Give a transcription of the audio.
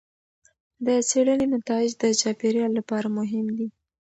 د څېړنې نتایج د چاپیریال لپاره مهم دي.